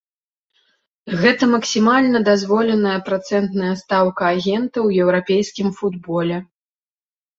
Гэта максімальна дазволеная працэнтная стаўка агента ў еўрапейскім футболе.